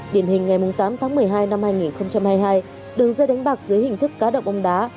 điển hình ngày tám tháng một mươi hai năm hai nghìn hai mươi hai đường dây đánh bạc dưới hình thức cá độ bóng đá